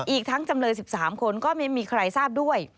อีกทั้งจำเลย๑๓คนก็ไม่มีใครทราบด้วย